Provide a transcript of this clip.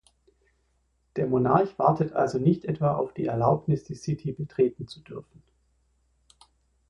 Der Monarch wartet also nicht etwa auf die Erlaubnis, die City betreten zu dürfen.